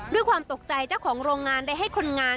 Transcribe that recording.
ด้วยความตกใจเจ้าของโรงงานได้ให้คนงาน